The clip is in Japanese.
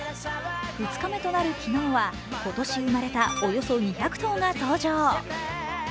２日目となる昨日は、今年生まれたおよそ２００頭が登場。